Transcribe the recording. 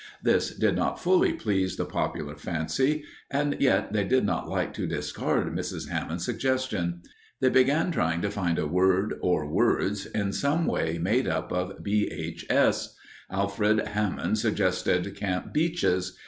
This did not fully please the popular fancy, and yet they did not like to discard Mrs. Hammond's suggestion. They began trying to find a word or words in some way made up of B. H. S. Alfred Hammond suggested Camp Beeches.